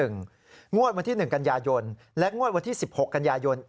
งวดวันที่๑กันยายนและงวดวันที่๑๖กันยายน